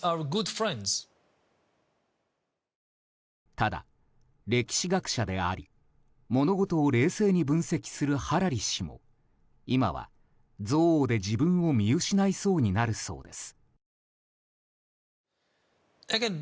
ただ、歴史学者であり物事を冷静に分析するハラリ氏も今は、憎悪で自分を見失いそうになるそうです。